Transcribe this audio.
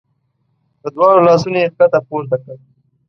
په دواړو لاسونو یې ښکته پورته کړ.